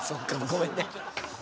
ごめんね。